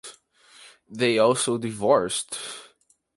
They also divorced.